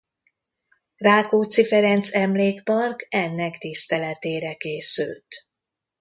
Rákóczi Ferenc emlékpark ennek tiszteletére készült.